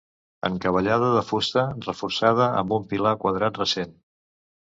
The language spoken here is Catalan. Encavallada de fusta reforçada amb un pilar quadrat recent.